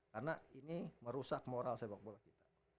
karena ini merusak moral sepak bola kita